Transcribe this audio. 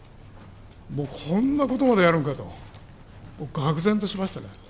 もうこんなことまでやるのかと、がく然としましたね。